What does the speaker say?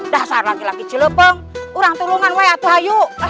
dah seharusnya lagi lagi jelup peng orang tolongan woy aku ayo